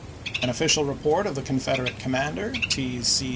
An official report of the Confederate commander, T. C.